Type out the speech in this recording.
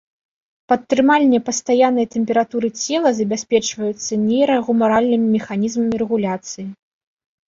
Падтрыманне пастаяннай тэмпературы цела забяспечваецца нейрагумаральнымі механізмамі рэгуляцыі.